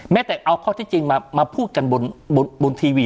แต่เอาข้อที่จริงมาพูดกันบนทีวี